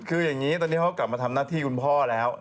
คืออย่างนี้ตอนนี้เขากลับมาทำหน้าที่คุณพ่อแล้ว